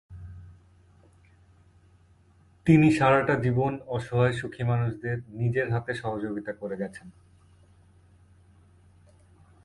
তিনি সারাটা জীবন অসহায় দুঃখী মানুষদের নিজের হাতে সহযোগীতা করে গেছেন।